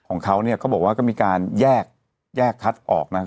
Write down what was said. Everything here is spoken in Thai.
ของเขาก็บอกว่าก็มีการแยกคัดออกนะครับ